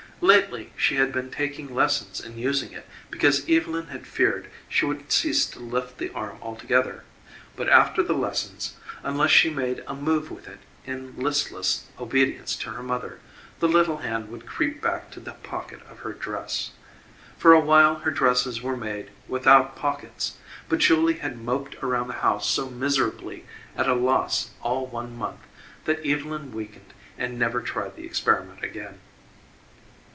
Lately she had been taking lessons in using it because Evylyn had feared she would cease to lift the arm altogether, but after the lessons, unless she made a move with it in listless obedience to her mother, the little hand would creep back to the pocket of her dress. For a while her dresses were made without pockets, but Julie had moped around the house so miserably at a loss all one month that Evylyn weakened and never tried the experiment again.